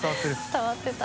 伝わってた。